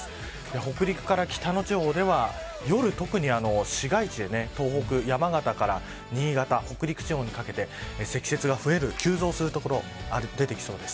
北陸から北の地方では夜、特に市街地で東北、山形から新潟北陸地方にかけて積雪が増える急増する所が出てきそうです。